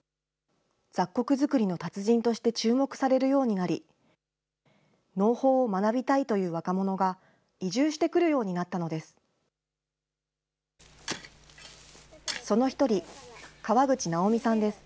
雑穀作りの達人として注目されるようになり、農法を学びたいという若者が移住してくるようになったのです。